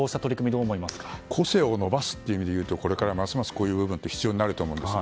個性を伸ばす意味で言うとますますこういう部分って必要になると思うんです。